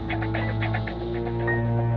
aku sudah berhenti